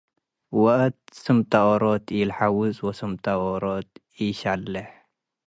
ወአት ስምጠ ዎሮት ኢለሐውዝ ወስምጠ ዎሮት ኢሸሌሕ።